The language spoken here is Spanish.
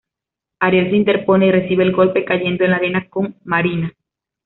Ariel se interpone y recibe el golpe cayendo en la arena con Marina.